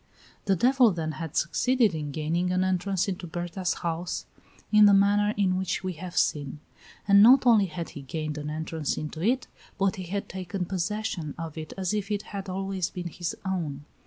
The devil then had succeeded in gaining an entrance into Berta's house in the manner in which we have seen; and not only had he gained an entrance into it, but he had taken possession of it as if it had always been his own.